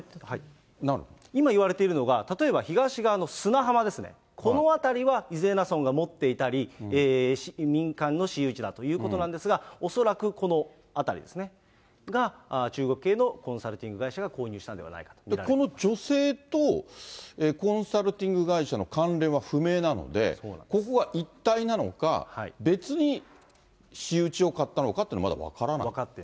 今言われているのが、例えば、東側の砂浜ですね、この辺りは伊是名村が持っていたり、民間の私有地だということなんですが、恐らくこの辺りですね、が、中国系のコンサルティング会社が購入したんではないかと見られてこの女性とコンサルティング会社の関連は不明なので、ここが一体なのか、別に私有地を買ったのかっていうのはまだ分からない？